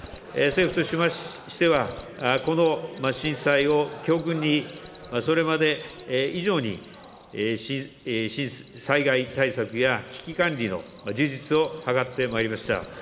政府としましては、この震災を教訓に、それまで以上に、災害対策や危機管理の充実を図ってまいりました。